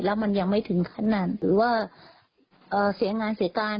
แล้วมันยังไม่ถึงขนาดหรือว่าเสียงานเสียการ